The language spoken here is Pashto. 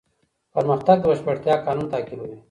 پرمختګ د بشپړتیا قانون تعقیبوي.